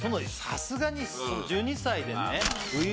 さすがに１２歳でね初々しい。